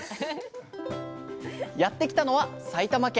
やって来たのは埼玉県。